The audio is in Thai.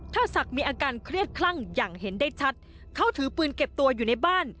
ถ้าศักดิ์มีอาการเครียดคลั่งอย่างเห็นได้ชัดเขาถือปืนเก็บตัวอยู่ในบ้าน